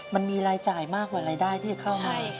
มันมีรายจ่ายมากกว่ารายได้ที่จะเข้ามา